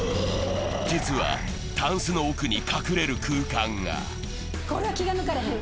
実は、タンスの奥に隠れる空間が。